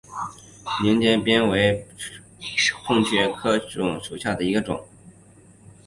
井栏边草为凤尾蕨科凤尾蕨属下的一个种。